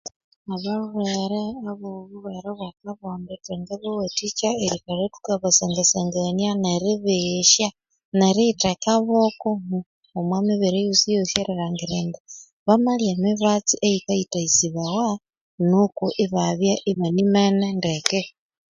Abalhwere abo bulhwere bwa kabonde thwangabawathikya erikalha thukabasangasangania neribeghesya neriyithekaboko omo mibere eyosi yosi yeri lhangira indi ba malya emibatsi eyikayithayisibawa nuku ibabya ibanimene ndeke